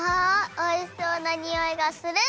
おいしそうなにおいがする！